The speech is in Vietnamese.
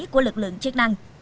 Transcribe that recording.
của lực lượng chức năng